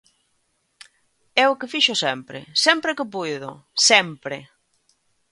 É o que fixo sempre, sempre que puido, ¡sempre!